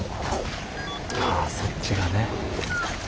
ああそっちがね。